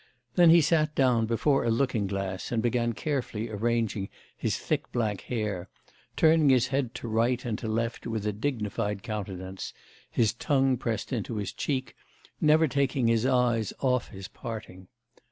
Then he sat down before a looking glass and began carefully arranging his thick black hair, turning his head to right and to left with a dignified countenance, his tongue pressed into his cheek, never taking his eyes off his parting.